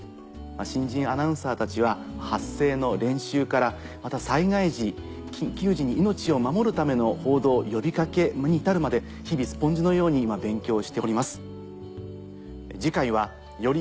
新人アナウンサーたちは発声の練習からまた災害時緊急時に命を守るための報道呼び掛けに至るまで日々スポンジのように今勉強をしております。